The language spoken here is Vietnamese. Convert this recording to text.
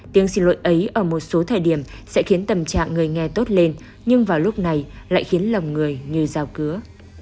tiếng xin lỗi ấy ở một số thời điểm sẽ khiến tầm trạng người nghe tốt lên nhưng vào lúc này lại khiến lòng người như rào cứa